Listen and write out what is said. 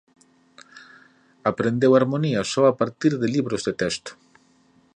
Aprendeu harmonía só a partir de libros de texto.